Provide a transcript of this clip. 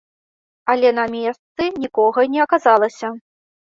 Але на месцы нікога не аказалася.